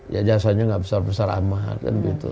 ya jasanya nggak besar besar amat kan gitu